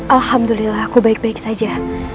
alhamdulillah aku baik baik saja